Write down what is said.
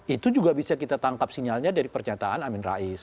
itu juga bisa kita tangkap sinyalnya dari pernyataan amin rais